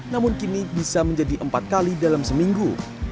namun kini bisa menjadi empat kali dalam seminggu